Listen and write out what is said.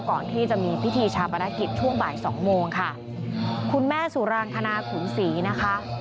ก่อนที่จะมีพิธีชาปนกิจช่วงบ่ายสองโมงค่ะคุณแม่สุรางธนาขุนศรีนะคะ